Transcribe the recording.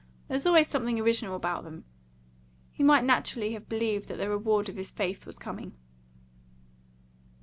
There's always something original about them." He might naturally have believed that the reward of his faith was coming.